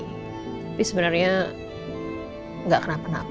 tapi sebenarnya nggak kenapa kenapa bu